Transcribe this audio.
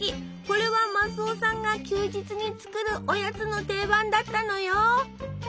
これはマスオさんが休日に作るおやつの定番だったのよ！